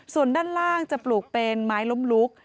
ส่วนด้านล่างจะปลูกเป็นไม้ล้มลุก